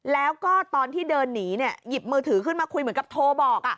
แล้วก็ตอนที่เดินหนีหยิบมือถือขึ้นมาคุยเหมือนกับโทรบอก